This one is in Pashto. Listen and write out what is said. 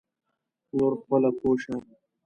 نور خپله پوی شه.